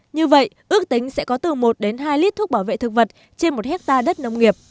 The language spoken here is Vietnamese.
như vậy ước tính sẽ có từ một đến hai lít thuốc bảo vệ thực vật trên một hectare đất nông nghiệp